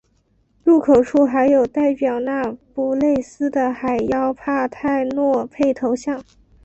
入口处还有代表那不勒斯的海妖帕泰诺佩头像。